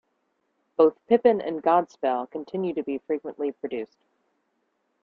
Both "Pippin" and "Godspell" continue to be frequently produced.